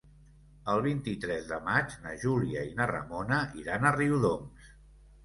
El vint-i-tres de maig na Júlia i na Ramona iran a Riudoms.